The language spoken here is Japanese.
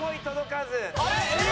あれ？